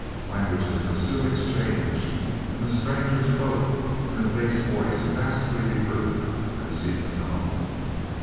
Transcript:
Languages were soon exchanged and the stranger spoke, in a bass voice vastly deeper than Seaton's own.